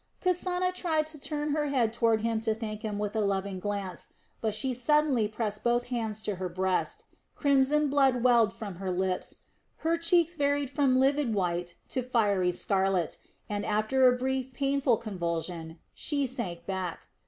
Kasana tried to turn her head toward him to thank him with a loving glance, but she suddenly pressed both hands on her breast, crimson blood welled from her lips, her cheeks varied from livid white to fiery scarlet and, after a brief, painful convulsion, she sank back.